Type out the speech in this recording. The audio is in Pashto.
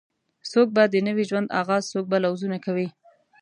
څوک به د نوې ژوند آغاز څوک به لوظونه کوي